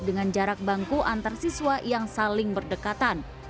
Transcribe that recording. dengan jarak bangku antar siswa yang saling berdekatan